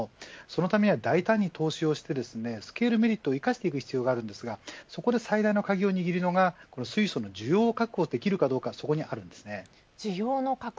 そのためには大胆に投資をしてスケールメリットを生かす必要がありますがそこに最大の鍵を握るのは水素の需要確保ができるかどうかです。